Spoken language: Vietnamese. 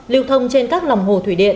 liêu thông trên các lòng hồ thủy điện